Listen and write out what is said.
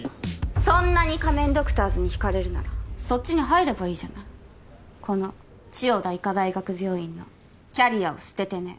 そんなに仮面ドクターズにひかれるならそっちに入ればいいじゃないこの千代田医科大学病院のキャリアを捨ててね